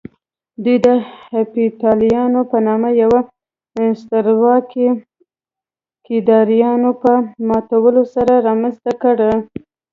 دوی د هېپتاليانو په نامه يوه سترواکي د کيداريانو په ماتولو سره رامنځته کړه